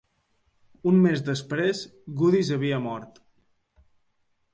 Un mes després, Goodis havia mort.